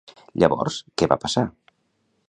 Llavors, què va passar?